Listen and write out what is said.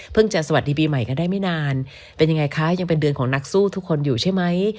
จะสวัสดีปีใหม่กันได้ไม่นานเป็นยังไงคะยังเป็นเดือนของนักสู้ทุกคนอยู่ใช่ไหม